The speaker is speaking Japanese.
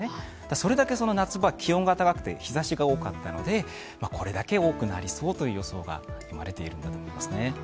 それだけ夏場、気温が高くて日ざしが多かったので、これだけ多くなりそうという予想が生まれているんだと思いますね。